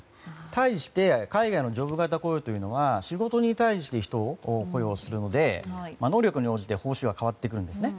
対して海外のジョブ型雇用は仕事に対して人を雇用するので能力に応じて報酬が変わってくるんですね。